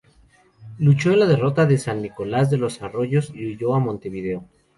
Luchó en la derrota de San Nicolás de los Arroyos y huyó a Montevideo.